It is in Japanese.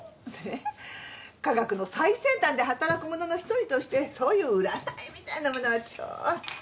科学の最先端で働く者の一人としてそういう占いみたいなものはちょっと。